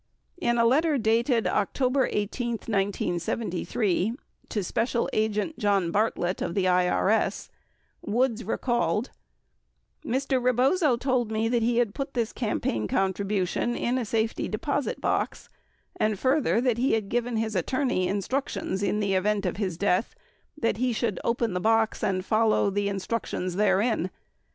60 In a letter dated October 18, 1973, to special agent John Bartlett, of the IRS, Woods recalled : Mr. Rebozo told me that he had put this campaign contri bution in a safety deposit box and further that he had given his attorney instructions in the event of his death that he should open the box and follow the instructions therein.